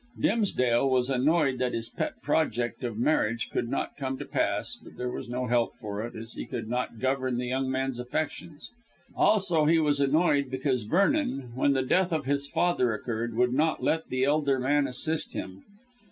Dimsdale was annoyed that his pet project of a marriage could not come to pass, but there was no help for it, as he could not govern the young man's affections. Also he was annoyed because Vernon, when the death of his father occurred, would not let the elder man assist him.